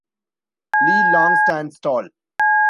Li Long stands tall.